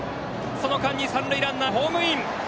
その間に三塁ランナー、ホームイン。